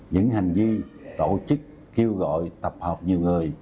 những hành vi tổ chức kêu gọi tập hợp nhiều người